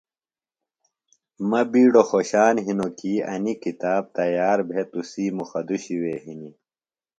مہ بیڈوۡ خوشان ہنوۡ کیۡ انیۡ کتاب تیار بھے تُسی مخدُشی وے ہِنیۡ۔